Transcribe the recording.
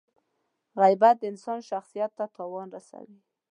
• غیبت د انسان شخصیت ته تاوان رسوي.